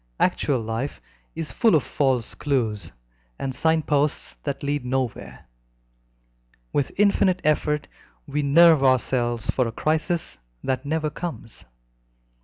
Actual life is full of false clues and sign posts that lead nowhere. With infinite effort we nerve ourselves for a crisis that never comes.